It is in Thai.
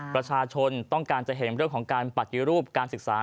ประชาชนต้องการจะเห็นเรื่องของการปฏิรูปการศึกษา